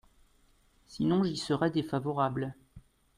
Sinon, j’y serai défavorable.